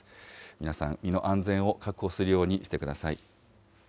皆さん、身の安全を確保するようにしてください。